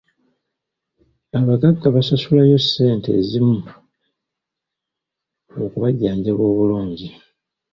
Abagagga basasulayo ssente ezimu okubajjanjaba obulungi.